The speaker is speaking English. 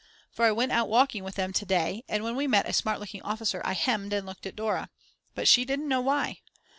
For I went out walking with them to day, and when we met a smart looking officer I hemmed and looked at Dora. But she didn't know why.